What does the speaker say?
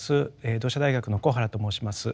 同志社大学の小原と申します。